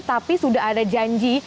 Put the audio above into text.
tapi sudah ada janji